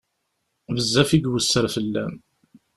Bezzef i iwesser fell-am.